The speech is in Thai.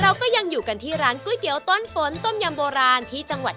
เราก็ยังอยู่กันที่ร้านก๋วยเตี๋ยวต้นฝนต้มยำโบราณที่จังหวัด